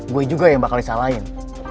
gue juga yang bakal disalahin